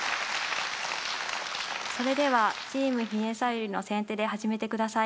それではチームひめさゆりの先手で始めてください。